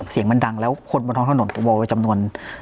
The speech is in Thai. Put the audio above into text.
เสียงมันดังแล้วคนบนท้องถนนก็วอลไว้จำนวน